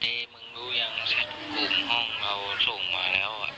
แต่ก็เหมือนกับว่าจะไปดูของเพื่อนแล้วก็ค่อยทำส่งครูลักษณะประมาณนี้นะคะ